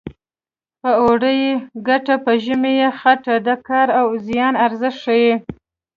په اوړي یې ګټه په ژمي یې څټه د کار او زیار ارزښت ښيي